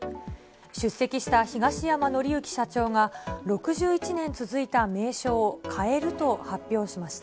出席した東山紀之社長が、６１年続いた名称を変えると発表しました。